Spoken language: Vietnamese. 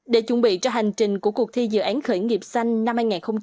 để chuẩn bị cho hành trình của cuộc thi dự án khởi nghiệp xanh năm hai nghìn hai mươi